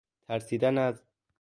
ترسیدن از